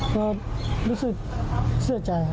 ก็รู้สึกเสียใจครับ